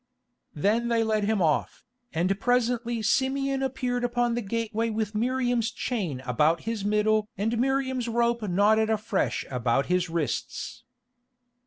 Then they led him off, and presently Simeon appeared upon the gateway with Miriam's chain about his middle and Miriam's rope knotted afresh about his wrists.